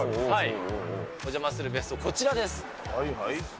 お邪魔する別荘、こちらです。